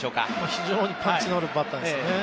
非常にパンチのあるバッターですね。